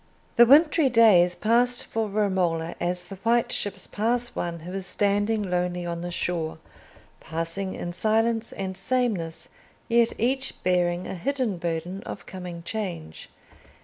The wintry days passed for Romola as the white ships pass one who is standing lonely on the shore—passing in silence and sameness, yet each bearing a hidden burden of coming change.